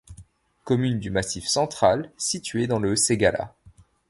Commune du Massif central située dans le Ségala.